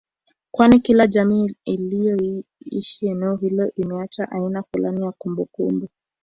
kwani kila jamii iliyoishi eneo hilo imeacha aina fulani ya kumbukumbu